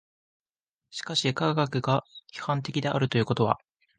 しかし科学が批判的であるということは